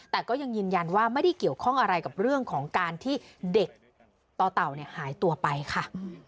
แต่ก็ยังยืนยันว่าไม่ได้เกี่ยวข้องอะไรกับเรื่องของการที่เด็กต่อเต่าหายตัวไปค่ะ